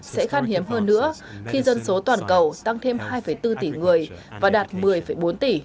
sẽ khan hiếm hơn nữa khi dân số toàn cầu tăng thêm hai bốn tỷ người và đạt một mươi bốn tỷ